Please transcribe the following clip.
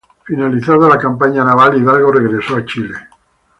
Finalizada la campaña naval Hidalgo regresó a Chile.